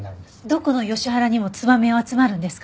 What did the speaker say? どこのヨシ原にもツバメは集まるんですか？